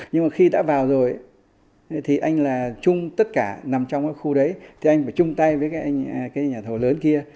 nhưng mà khi đã vào rồi thì anh là chung tất cả nằm trong cái khu đấy thì anh phải chung tay với cái nhà thầu lớn kia